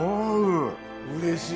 うれしい。